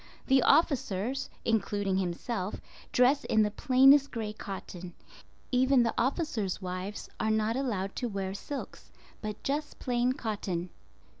The officers, including himself, dress in the plainest gray cotton. Even the officers' wives are not allowed to wear silks, but just plain cotton.